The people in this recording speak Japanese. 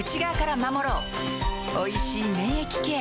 おいしい免疫ケア